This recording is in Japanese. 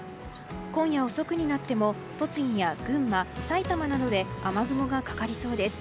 今夜遅くになっても栃木や群馬、埼玉などで雨雲がかかりそうです。